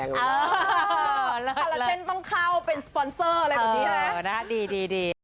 อ๋อนะครับดี